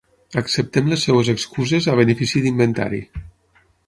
Acceptem les seves excuses a benefici d'inventari.